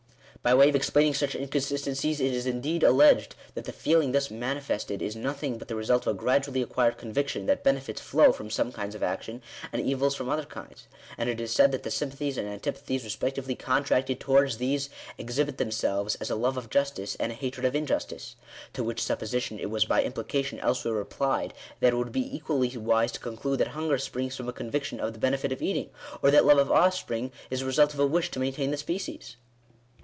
By way of explaining such inconsistencies, it is indeed alleged, that the feeling thus manifested is nothing but the result of a gradually acquired conviction that benefits flow from some kinds of action, and evils from other kinds ; and it is said that the sympathies and antipathies respectively contracted towards these, exhibit themselves, as a love of justice, and a hatred of injustice. To which supposition it was by implication elsewhere replied, that it would be equally wise to conclude that hunger springs from a conviction of the benefit of eating ; or that love of offspring is the result of a wish to maintain the species!